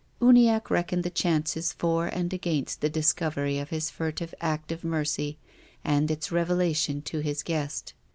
Uniacke reckoned the chances for and against the discovery of his furtive act of mercy and its revelation to his guest.